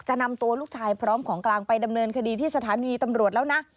นำตัวลูกชายพร้อมของกลางไปดำเนินคดีที่สถานีตำรวจแล้วนะ